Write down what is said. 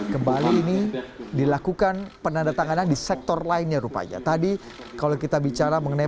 kembali ini dilakukan penandatanganan di sektor lainnya rupanya tadi kalau kita bicara mengenai